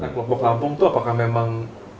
nah kelompok lampung itu apakah memang